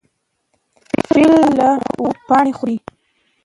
فیل له ونو پاڼې خوري.